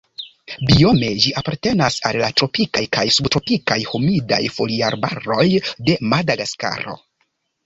Biome ĝi apartenas al la tropikaj kaj subtropikaj humidaj foliarbaroj de Madagaskaro.